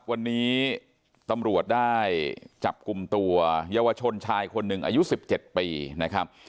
วันนี้ตำรวจได้จับกลุ่มตัวเยาวชนชายคนหนึ่งอายุ๑๗ปีนะครับ